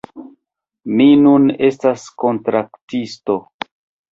Mi nun estas kontraktisto